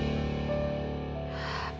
saat elsa dituduh mau menusup pengunjung pasien lain